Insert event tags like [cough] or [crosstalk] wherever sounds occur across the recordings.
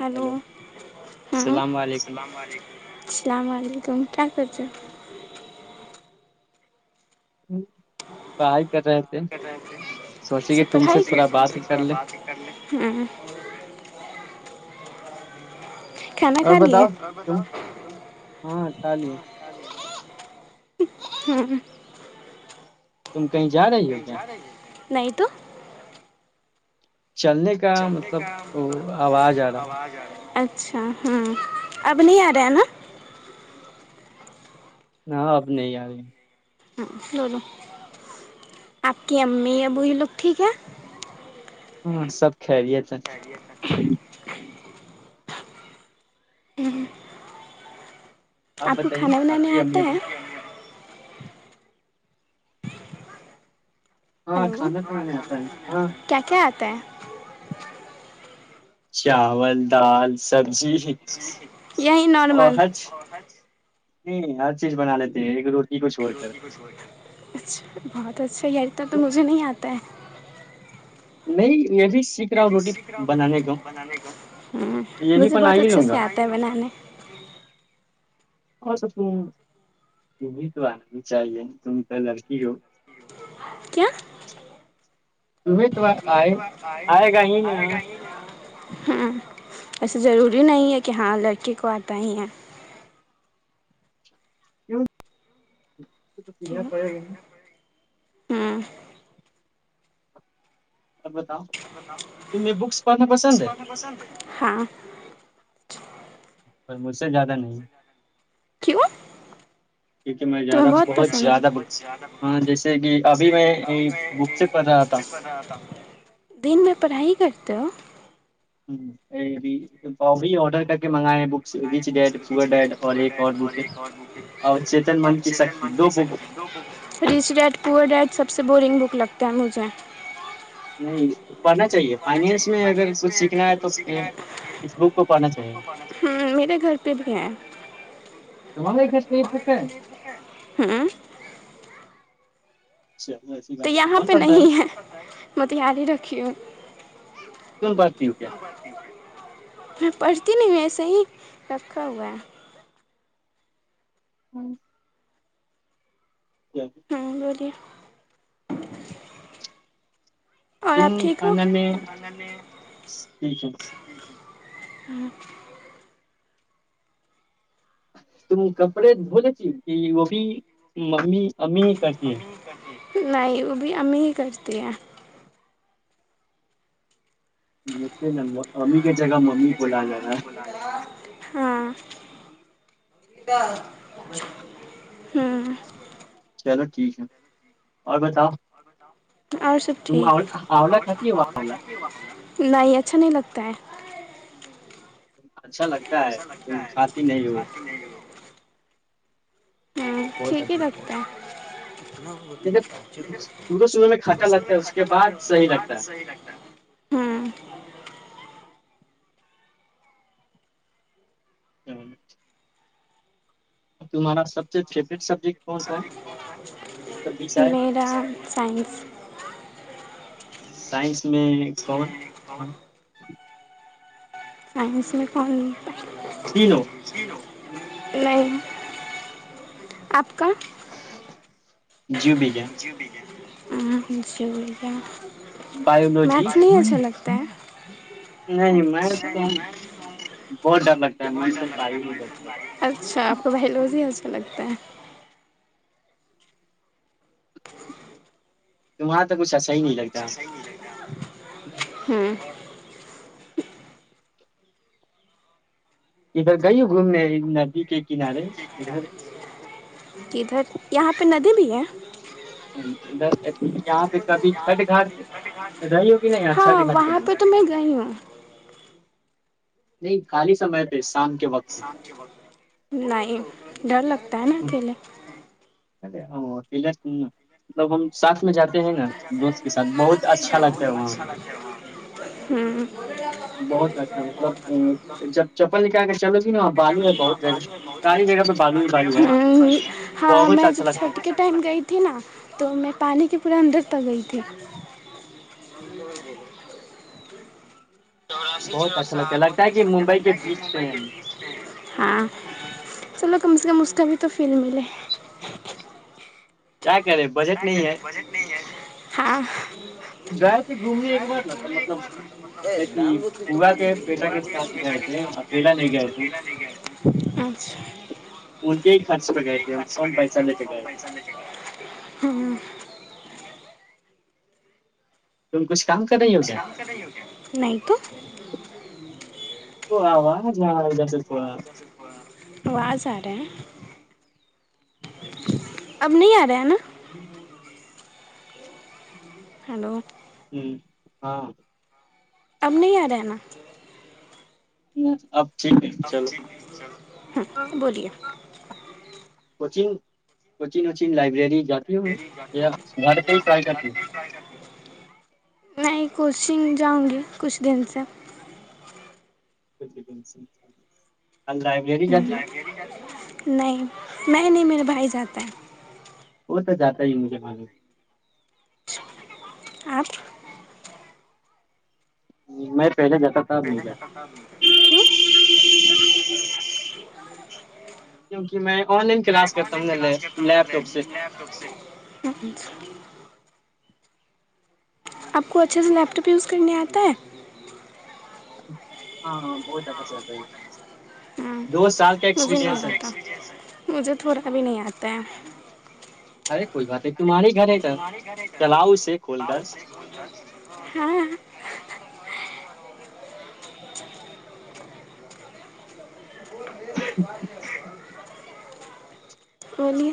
hello ہاں اللام علیکم کیا کرتے کائی کر رہے پڑھائیات ہ اور بتاؤ تم ہاں کالے ہاں [unintelligible] تم کہیں جا رہے ہو نہیں تو چلنے کا مطلب آواز آ رہ اچھا ہوں اب نہیں آ رہے ہیں ہے نا ہاں اب نہیں آ رہی بولو آپ کی امی وہی لوگ ٹھیک ہے ہ سب کہرییے [unintelligible] ہ آپ کو کھانا وانا نہیں آتا ہے ہیلو کیا کیا آتا ہے چاول دال سب یہیں نارمل نہیں ہر چیز بنا لیتے ہیں ایک د اچھ بہت اچھا ی انا تو مجھے نہیں آتا ہے نہیں یہ بھی ہ مجھے بہت اچھے سے آتا ہے بنانے اور تو ت تمیں تو آنا نہیں چاہیے تم تو لڑکی ہو ھ [unintelligible] تو آ گ ہ ایسے ضروری نہیں ہے کہ ہاں لڑکے کو آتا ہی ہے تو سیکھنا پڑے گا نہیں ہاں ہاں پر مجھ سے زیادہ نہیں کیوں تیں بہت پسند دن میں پڑھائی کرتے ہو ہ بھی بابی آڈر کر کے منگاائے رچ ڈیٹ پ ڈیٹ سب سے بورنگ بک لگتا ہے مجھے نہیں پن ہ میرے گھر پہ بھی ہیں ہ تو یہاں پہ نہیں ہے میںتیاری ہی رکھی ہوں میں پر نہیں وسے ہی رکھا ہوا ہے ہوں ہاں بولیے [inaudible] تم کھانا میں ٹھیک ہے ہ تم کپڑے دھو لیتی کہ وہ بھی ممی ممی ممی کاے نہیں وہ بھی ہمیں ہی کرتی ہیں مے ن امی کے جگہ ممی بلا جا رہا ہے ہاں ہاں ٹھیک ہے اورگر اور سب ٹھیک ہے نہیں اچھا نہیں لگتا ہے اچھا لگتا ہے تم کھاتی نہیں ہو ہاں ٹھیک ہے ڈاکتار کھٹا لگتا ہے اس کے بعد صحیح لگتا ہے ہوں تمہارا سب س فیورٹ سبجیکٹ کون سا ہے سب ہے سائنس میں کون ہ سس کوئی چینو نہیں آپ کا جیب ج شوریا میتھنی اچھا لگتا ہے اچھا اچھا آپ کو لوزی اچھا لگتا ہے [inaudible] تمہاں تو کچھ ایا ہوں اسھر گئیو گھوم ادھر یہاں پہ ندی بھی ہیں ہاں وہاں پہ تو میں گئی ہوں نہیں خالی سمے تو اس سے نہیں ڈر لاک ت نہل ارے اکیلے مطلب ہم سات ہوں ہاں ہاں ہاں میں جب چھٹ کے ٹائم گئی تھی نا تو میں پانی کے پور اندرتا گئی تھی چاسی ب اچھاگ ممبئی کے بیچ چلو کم سے کم اس کا بھی تو فیل ملے [inaudible] س رہے بجٹ نہیں ہاں ل تو [inaudible] [inaudible] نہیں تو آاز آ رہا ہے اب نہیں آ رہے ہے نا ہلو ہاں اب نہیں آار ن اب ہ بولیے کچن کچنگ کچن لائبریری نہیں کوچنگ جاؤں گی کچھ دن سے جبن سگھ نہیں میں کہ نہیں میرا بھائی جاتا ہے وہ تو جاتا ہی مجھے معلوم [unintelligible] [unintelligible] میں کیوں میں آن لائن کلاس کرتا ہوںا لیپ ٹاپ سے آپ کو اچھے سے لیپ ٹاپ یوز کرنے آتا ہے ہاں ہ مجھے نہیں آتا مجھے تھوڑا ا بھی نہیں آتا ہے کوئی بات [unintelligible] [unintelligible] [unintelligible] بولیے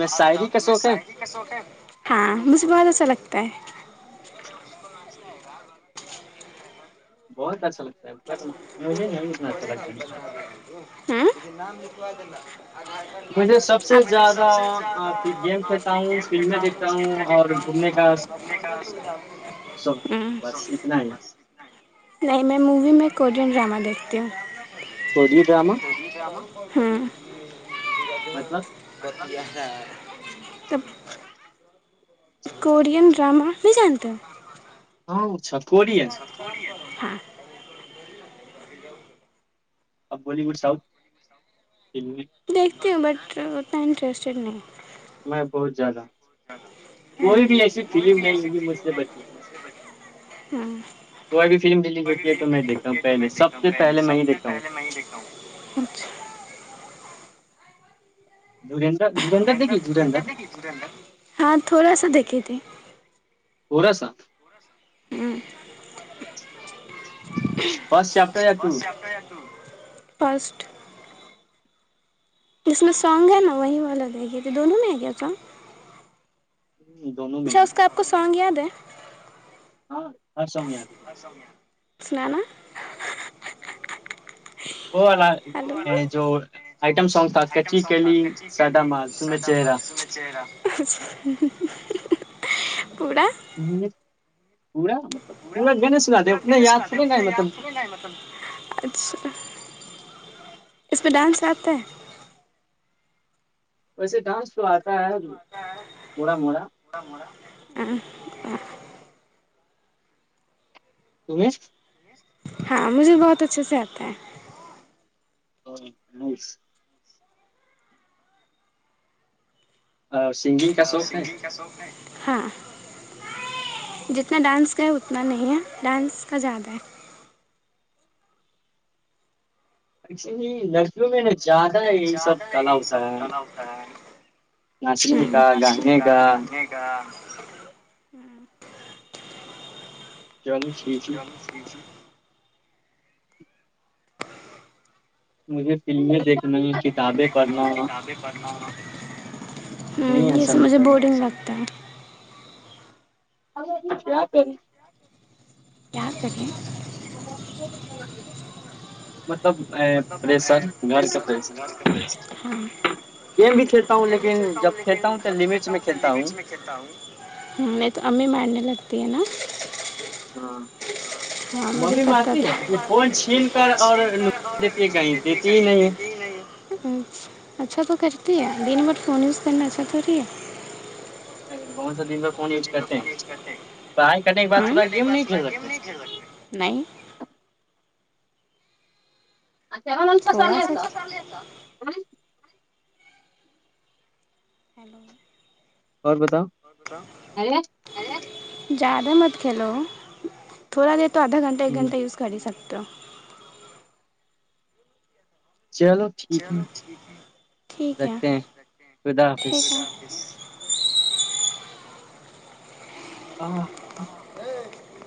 [unintelligible] اچھا لگتا ہے [unintelligible] بہت اچھا لگتا ہے ہوں [unintelligible] [unintelligible] موی میں کورین ڈرامہ دھو پتیم کوودے ڈرامہ ہوں [unintelligible] کوریاین ڈرامہ میںی جانتے ہاں چھ اچھا کو ہاں اب بالی ووڈ ساؤ جی بٹ اتنا انٹرسٹیڈ نہیں میں بہت زیادہ ہ ف فتی تو میں دتا ہہلے سب سے پہلے میں دیکھتا ہوں جو ہاں تھوڑا سا دیکھی تھی ہ فسٹ جس میں سانگ ہے نا وہی والگ ہے گی تو دونوں میں ہے گیا سانگ اچھا اس کا آپ کو سانگ یار سے ہاں ہ سومیاان سنانا جوم سگ تھاٹ چرہ پورورا ہ پورورا پورا پورا گنے سر د انے یاار پورے گئے مطب اچھا اس پہ ڈانس آتا ہے ویسے ڈانس پسے کاانس تو آتا ہے مڑا موڑا [inaudible] تم ہاں مجھے بہت اچھے سے آتا ہے ہ نہیںس اور سنگنگ کا شوق ہے ہاں جتنا ڈانس کا ہے اتنا نہیں ہے ڈانس کا زیادہ ہے اچ لرسوں منت زیادہ یہ سب کال ہوتا ہے ناشمی کا گانے کا چلو ییک ج مجھے فلمیں دیکھنی کتابیں پڑھنا یہ سب مجھے بورنگ لگتا ہے [unintelligible] کیا کریں ہیں ملب گ بھی کھیلتا ہ لیکن جب کھیتا ہٹ میں کھیلتا ہوں تو امی مارنے لگتی ہیں نا ہاں مجھے پتا تھا ا اچھا تو کرتی ہے دن بٹ فون یوز کرنا اچھا تو رہی ہے گ سر د فون نہیں سک اچ ج م ن ہم س سرلی تھا ہیلو اور بتاؤ زیادہ مت کھیلو تھوڑا دیر تو آدا گھٹہ ایک گنٹ یوز ہی سکتے تو چلو ٹھ ہے ٹھیک ہے ٹھیک ہے آ ر [inaudible]